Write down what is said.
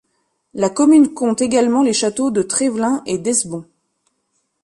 La commune compte également les châteaux de Trévelin et d'Es-Bons.